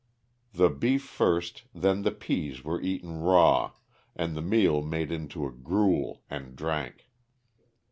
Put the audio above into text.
The beef first, then the peas were eaten raw and the meal made into a gruel and drank.